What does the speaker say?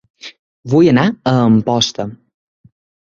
Vull anar a Amposta